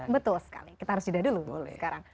betul sekali kita harus jeda dulu boleh sekarang